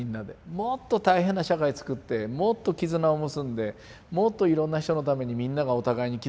もっと大変な社会つくってもっと絆を結んでもっといろんな人のためにみんながお互いに傷ついて。